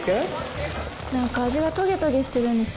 なんか味がトゲトゲしてるんですよね